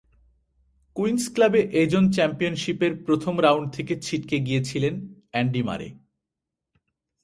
Queen's ক্লাবে এজন চ্যাম্পিয়নশিপের প্রথম রাউন্ড থেকেই ছিটকে গিয়েছিলেন অ্যান্ডি মারে।